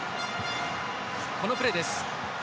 このプレーです。